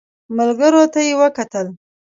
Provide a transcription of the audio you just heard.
ملګرو ته يې وکتل.